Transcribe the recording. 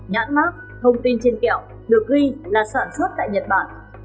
nhãn mát thông tin trên kẹo được ghi là sản xuất tại nhật bản